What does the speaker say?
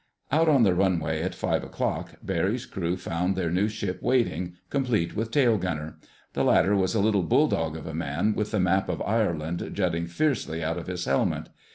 Out on the runway at five o'clock Barry's crew found their new ship waiting, complete with tail gunner. The latter was a little bulldog of a man with the map of Ireland jutting fiercely out of his helmet.